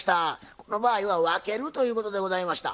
この場合は分けるということでございました。